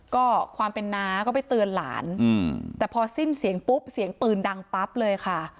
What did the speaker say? ก็ความเป็นน้าก็ไปเตือนหลานแต่พอสิ้นเสียงปุ๊บเสียงปืนดังปั๊บเลยค่ะ